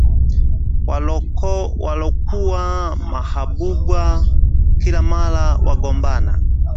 Walokuwa mahabuba, kila mara wagombana